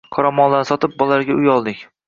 Qoramollarni sotib, bolalarga uy olaylik